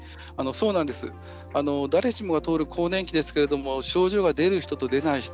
誰しもが通る更年期ですけれども症状が出る人と出ない人。